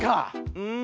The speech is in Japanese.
うん。